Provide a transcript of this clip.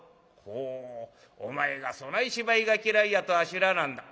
「おおお前がそない芝居が嫌いやとは知らなんだ。